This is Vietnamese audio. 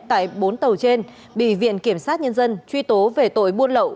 tại bốn tàu trên bị viện kiểm sát nhân dân truy tố về tội buôn lậu